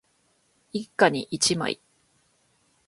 一家に一枚